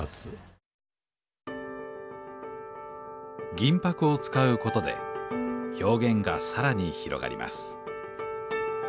銀箔を使うことで表現が更に広がります。